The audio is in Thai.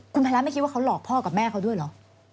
คุณภัยรัฐไม่คิดว่าเขาหลอกพ่อกับแม่เขาด้วยเหรอ